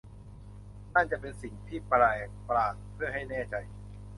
นั่นจะเป็นสิ่งที่แปลกประหลาดเพื่อให้แน่ใจ !